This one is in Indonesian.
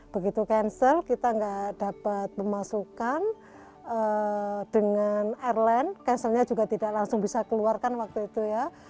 begitu cancel kita nggak dapat pemasukan dengan airline cancelnya juga tidak langsung bisa keluarkan waktu itu ya